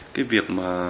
cái việc mà